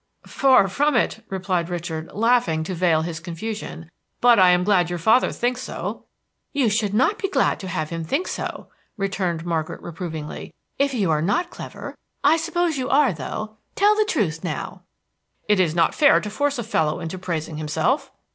"Far from it," replied Richard, laughing to veil his confusion, "but I am glad your father thinks so." "You should not be glad to have him think so," returned Margaret reprovingly, "if you are not clever. I suppose you are, though. Tell the truth, now." "It is not fair to force a fellow into praising himself."